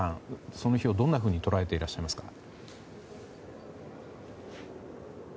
その日をどんなふうに捉えていらっしゃいますか？